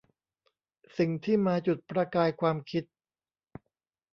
สิ่งที่มาจุดประกายความคิด